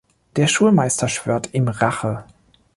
Der Schulmeister schwört ihm Rache.